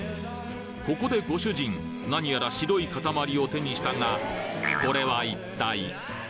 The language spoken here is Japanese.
ここでご主人何やら白い塊を手にしたがこれは一体！？